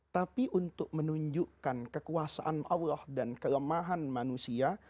tapi untuk menunjukkan kekuasaan allah dan kelemahan manusia